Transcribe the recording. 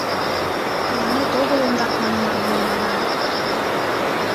Тыланет огыл ондак манман, мый манам.